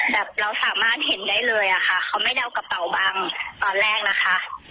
แบบเราสามารถเห็นได้เลยอะค่ะเขาไม่ได้เอากระเป๋าบังตอนแรกนะคะ